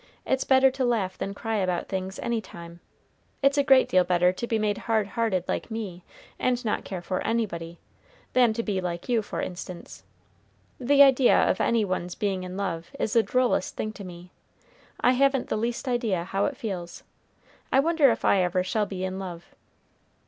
It's better to laugh than cry about things, any time. It's a great deal better to be made hard hearted like me, and not care for anybody, than to be like you, for instance. The idea of any one's being in love is the drollest thing to me. I haven't the least idea how it feels. I wonder if I ever shall be in love!"